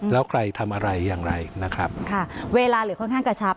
แล้วใครทำอะไรอย่างไรนะครับค่ะเวลาเหลือค่อนข้างกระชับ